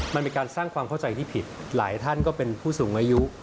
มันเป็นการสร้างความเข้าใจที่ผิดหลายท่านก็เป็นผู้สูงอายุ